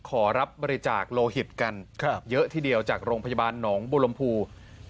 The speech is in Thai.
ขอรับบริจาคโลหิตกันเยอะทีเดียวจากโรงพยาบาลหนองบุรมภู